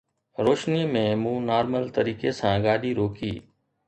روشنيءَ ۾ مون نارمل طريقي سان گاڏي روڪي